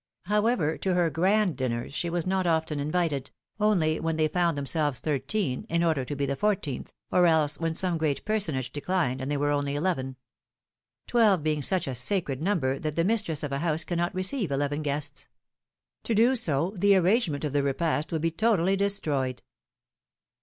However, to her grand dinners she v/as not often invited ; only, when they found them selves thirteen, in order to be the fourteenth; or else when some great personage declined, and they were only eleven. Tweh^e being such a sacred number that the mistress of a house cannot receive eleven guests ! To do so, the arrangement of the repast would be totally destroyed.